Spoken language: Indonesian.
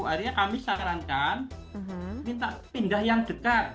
akhirnya kami sarankan minta pindah yang dekat